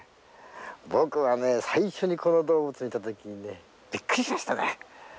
僕は最初にこの動物を見たときびっくりしましたね。